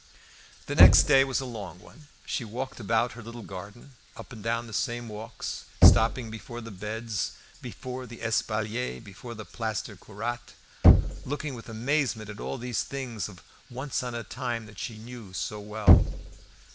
The next day was a long one. She walked about her little garden, up and down the same walks, stopping before the beds, before the espalier, before the plaster curate, looking with amazement at all these things of once on a time that she knew so well.